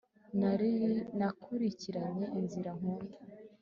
nakurikiranye inzira nkunda